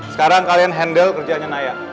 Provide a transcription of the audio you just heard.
sekarang kalian handle kerjanya naya